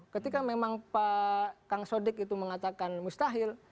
ketika memang pak kang sodik itu mengatakan mustahil